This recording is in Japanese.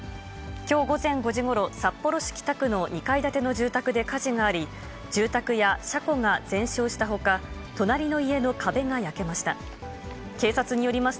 きょう午前５時ごろ、札幌市北区の２階建ての住宅で火事があり、住宅や車庫が全焼したほか、隣の家の壁が焼けました。